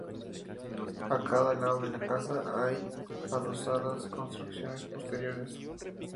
A cada lado de la casa hay adosadas construcciones posteriores.